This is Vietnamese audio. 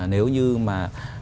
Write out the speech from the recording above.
nếu như mà